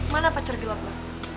mana pacar gelap lu